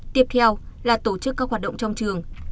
tiếp theo là tổ chức các hoạt động trong trường